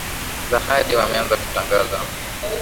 za hadi wameanza kutangaza